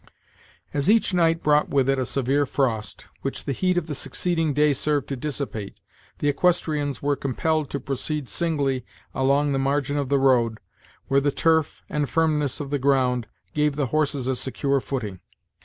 As each night brought with it a severe frost, which the heat of the succeeding day served to dissipate, the equestrians were compelled to proceed singly along the margin of the road, where the turf, and firmness of the ground, gave the horses a secure footing.